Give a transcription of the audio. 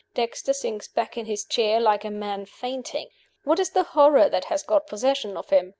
Dexter sinks back in his chair like a man fainting. What is the horror that has got possession of him?